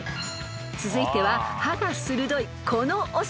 ［続いては歯が鋭いこのお魚］